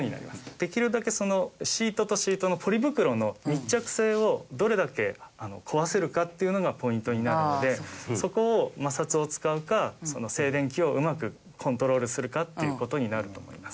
できるだけそのシートとシートのポリ袋の密着性をどれだけ壊せるかっていうのがポイントになるのでそこを摩擦を使うか静電気をうまくコントロールするかっていう事になると思います。